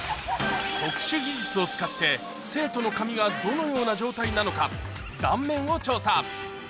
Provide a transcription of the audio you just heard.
特殊技術を使って生徒の髪がどのような状態なのか断面を調査